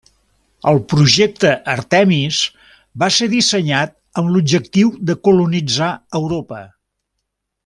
El projecte Artemis va ser dissenyat amb l'objectiu de colonitzar Europa.